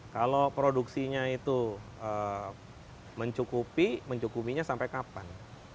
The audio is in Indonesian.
kalau produksinya itu mencukupi mencukupinya sampai kapan